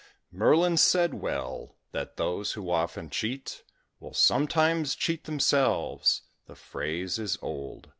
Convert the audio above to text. Merlin said well, that those who often cheat Will sometimes cheat themselves the phrase is old.